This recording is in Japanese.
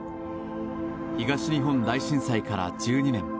東日本大震災から１２年。